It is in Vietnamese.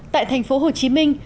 tại thành phố hồ chí minh